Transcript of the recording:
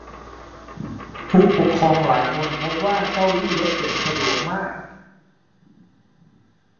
ผู้ปกครองหลายคนพบว่าเก้าอี้รถเข็นสะดวกมาก